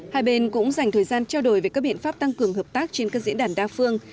hai bên cũng dành thời gian trao đổi về các biện pháp tăng cường hợp tác trên các diễn đàn đa phương